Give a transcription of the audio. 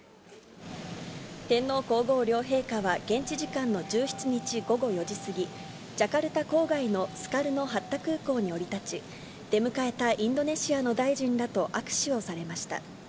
天皇皇后両陛下は現地時間の１７日午後４時過ぎ、ジャカルタ郊外のスカルノ・ハッタ空港に降り立ち、出迎えたインドネシアの大臣らと握手をされました。